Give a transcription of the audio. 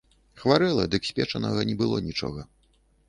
Хварэла, дык спечанага не было нічога.